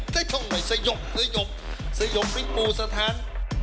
ได้ช่องหน่อยสยบสยบสยบริปูสธาน